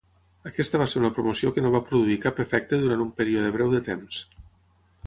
Aquesta va ser una promoció que no va produir cap efecte durant un període breu de temps.